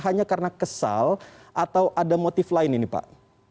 hanya karena kesal atau ada motif lain ini pak